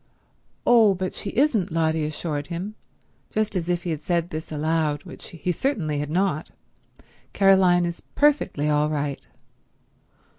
"Oh, but she isn't," Lotty assured him, just as if he had said this aloud, which he certainly had not. "Caroline is perfectly all right."